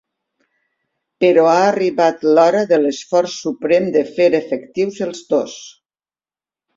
Però ha arribat l'hora de l'esforç suprem de fer efectius els dos.